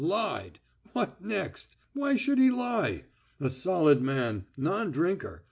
"Lied! What next? Why should he lie? A solid man, non drinker